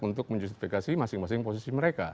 untuk menjustifikasi masing masing posisi mereka